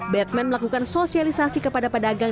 batman melakukan sosialisasi kepada pedagang